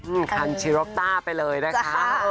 อื้มคันจีร็อปต้าไปเลยนะคะค่ะ